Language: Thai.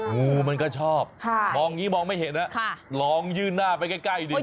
งูมันก็ชอบมองอย่างนี้มองไม่เห็นลองยื่นหน้าไปใกล้ดี